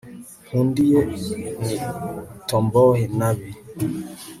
nkundiye ni tomboy nabi